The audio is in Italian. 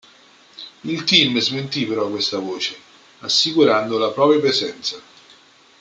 Il team smentì però questa voce, assicurando la propria presenza.